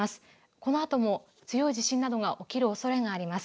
このあとも強い地震などが起きるおそれがあります。